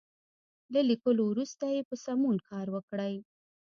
له ليکلو وروسته یې په سمون کار وکړئ.